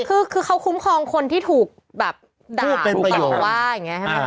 คือเขาคุ้มครองคนที่ถูกแบบด่าถูกต่อว่าอย่างนี้ใช่ไหมค